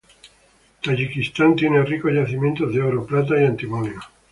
Tayikistán tiene ricos yacimientos de oro, plata y antimonio.